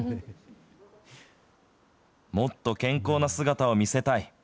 もっと健康な姿を見せたい。